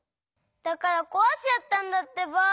だからこわしちゃったんだってば。